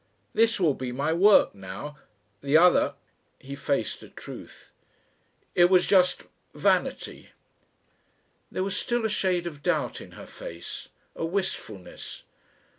This will be my work now. The other ..." He faced a truth. "It was just ... vanity!" There was still a shade of doubt in her face, a wistfulness.